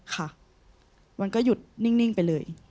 ค่ะมันก็หยุดนิ่งไปเลย